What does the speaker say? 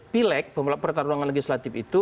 pileg pertarungan legislatif itu